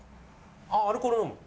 ああアルコール飲むの？